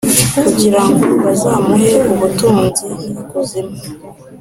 Kugirango bazamuhe ubutunzi ikuzimu